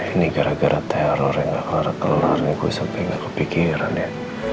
ini gara gara teror yang kelar kelar nih gue sampai nggak kepikiran ya